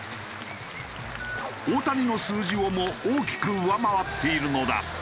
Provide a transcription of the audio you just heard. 大谷の数字をも大きく上回っているのだ。